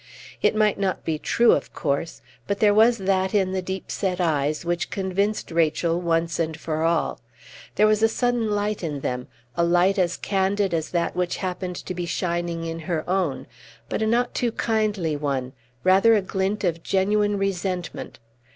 It might not be true, of course; but there was that in the deep set eyes which convinced Rachel once and for all. There was a sudden light in them, a light as candid as that which happened to be shining in her own, but a not too kindly one, rather a glint of genuine resentment.